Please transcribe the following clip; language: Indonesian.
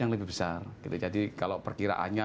yang lebih besar gitu jadi kalau perkiraannya